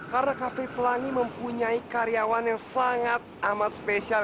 karena cafe pelangi mempunyai karyawan yang sangat amat spesial